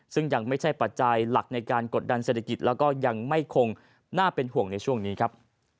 ซึ่งยังไม่ใช่ปัจจัยหลักในการกดดันเศรษฐกิจแล้วก็ยังไม่คงน่าเป็นห่วงในช่วงนี้ครับ